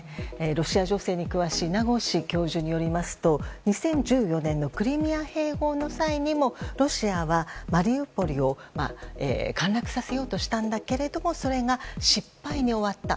ロシア情勢に詳しい名越教授によりますと２０１４年のクリミア併合の際にもロシアはマリウポリを陥落させようとしたんだけれどもそれが失敗に終わった。